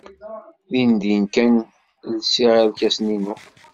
Dindin kan lsiɣ irkasen-inu.